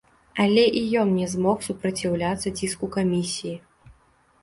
Але і ён не змог супраціўляцца ціску камісіі.